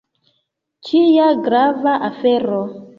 Kia grava afero!